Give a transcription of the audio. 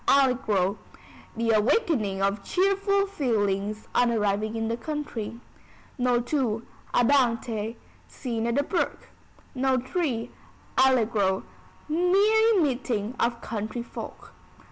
Allegro: The awakening of cheerful feelings on arriving in the country. No. II. Andante: Scene at the Brook. No. III. Allegro: Merry meeting of country folk.